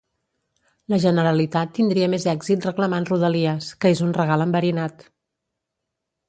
la Generalitat tindria més èxit reclamant rodalies, que és un regal enverinat